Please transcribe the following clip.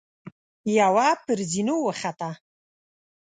يوه پر زينو وخته.